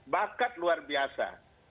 bakat luar biasa